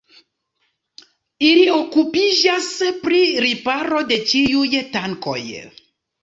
Ili okupiĝas pri riparo de ĉiuj tankoj.